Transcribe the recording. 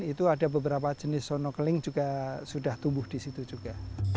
itu ada beberapa jenis sono keling juga sudah tumbuh di situ juga